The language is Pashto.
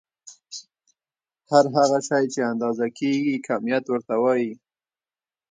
هر هغه شی چې اندازه کيږي کميت ورته وايې.